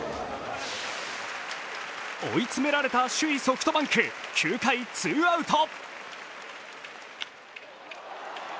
追い詰められた首位・ソフトバンク９回、ツーアウト。